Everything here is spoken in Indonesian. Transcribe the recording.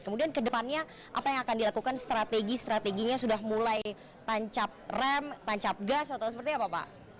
kemudian kedepannya apa yang akan dilakukan strategi strateginya sudah mulai tancap rem tancap gas atau seperti apa pak